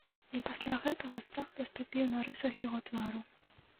І пасля гэтага страх праступіў на рысах яго твару.